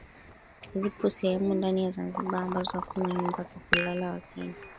Zipo sehemu ndani ya Zanzibar ambazo hakuna nyumba za kulala wageni